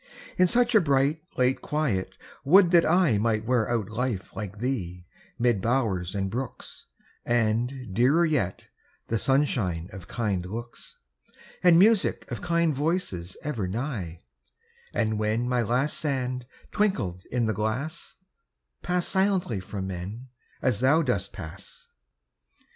In such a bright, late quiet, would that I Might wear out life like thee, mid bowers and brooks, And, dearer yet, the sunshine of kind looks, And music of kind voices ever nigh; And when my last sand twinkled in the glass, Pass silently from men, as thou dost pass.